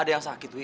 ada yang sakit wi